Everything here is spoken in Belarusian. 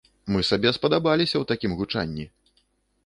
Мы сабе спадабаліся ў такім гучанні!